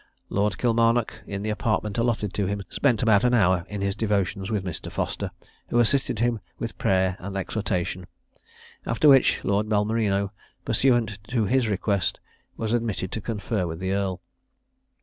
Lord Kilmarnock, in the apartment allotted to him, spent about an hour in his devotions with Mr. Foster, who assisted him with prayer and exhortation. After which, Lord Balmerino, pursuant to his request, was admitted to confer with the earl.